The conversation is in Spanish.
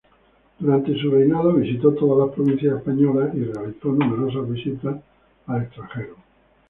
Durante su reinado visitó todas las provincias españolas y realizó numerosas visitas al extranjero.